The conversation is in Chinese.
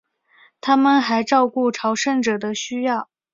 他们还照顾朝圣者的需要。